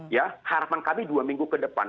ya harapan kami dua minggu ke depan